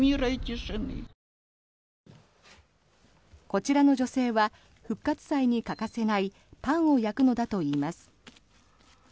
こちらの女性は復活祭に欠かせないパンを焼くのだといいます。